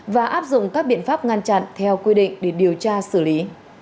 và áp dụng các biện pháp ngăn chặn theo quy định để điều tra xử lý